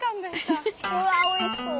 フフフうわおいしそう！